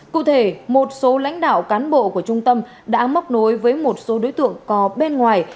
cụ thể một số lãnh đạo cán bộ của trung tâm đã móc nối với một số đối tượng có bên ngoài